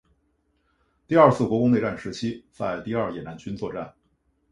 第二次国共内战时期在第二野战军作战。